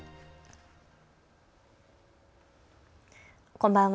こんばんは。